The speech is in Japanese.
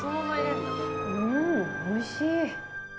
うんおいしい！